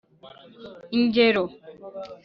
lngero :